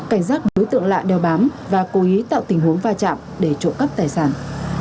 cảnh giác đối tượng lạ đeo bám và cố ý tạo tình huống va chạm để trộm cắp tài sản